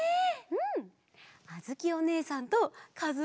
うん！